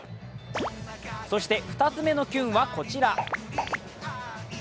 そして２つ目のキュンはこちら。